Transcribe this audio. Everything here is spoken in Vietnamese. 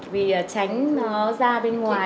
vì tránh nó ra bên ngoài